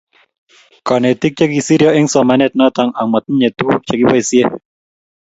kanetik che kisiryo eng somanet noto ak matitei tukuk che keboisie